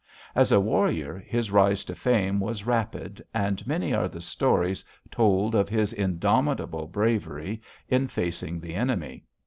As a warrior, his rise to fame was rapid, and many are the stories told of his indomitable bravery in facing the enemy.